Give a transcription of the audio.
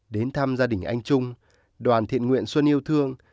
đến thăm gia đình anh trung đoàn thiện nguyện xuân yêu thương